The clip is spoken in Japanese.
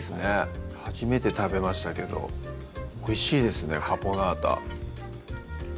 初めて食べましたけどおいしいですね「カポナータ」